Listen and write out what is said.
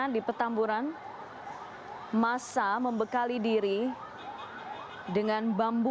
ada seseorang yang ditangkap